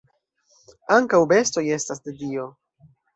Ankaŭ bestoj estas de Dio.